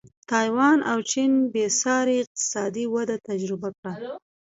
تایوان او چین بېسارې اقتصادي وده تجربه کړه.